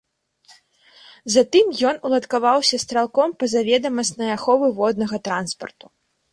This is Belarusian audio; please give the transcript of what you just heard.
Затым ён уладкаваўся стралком пазаведамаснай аховы воднага транспарту.